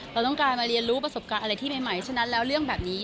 เราต้องการมาเรียนรู้ประสบการณ์อะไรที่ใหม่ฉะนั้นแล้วเรื่องแบบนี้